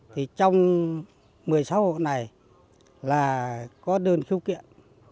thì trong một mươi sáu hộ này là có đơn khiếu kiện